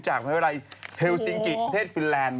จากเมืองไวรัยเฮลซิงกิตประเทศฟินแลนด์